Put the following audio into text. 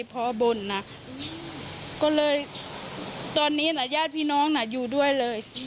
พอบ่นนะก็เลยตอนนี้น่ะญาติพี่น้องน่ะอยู่ด้วยเลย